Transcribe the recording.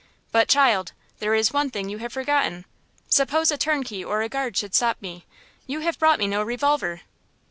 But, child, there is one thing you have forgotten: suppose a turnkey or a guard should stop me? You have brought me no revolver!"